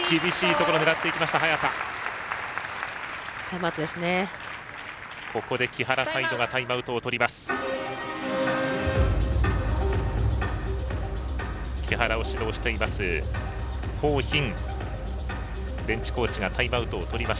ここで木原サイドがタイムアウトをとります。